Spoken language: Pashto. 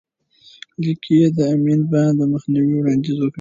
لیک کې یې د امین بانډ د مخنیوي وړاندیز وکړ.